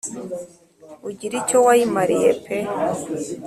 ugira icyo wayimariye pe